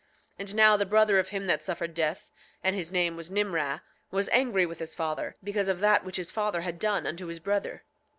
9:8 And now the brother of him that suffered death, (and his name was Nimrah) was angry with his father because of that which his father had done unto his brother.